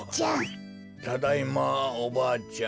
ただいまおばあちゃん。